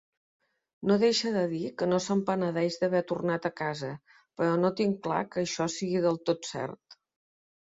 No deixa de dir que no se'n penedeix d'haver tornat a casa, però no tinc clar que això sigui del tot cert.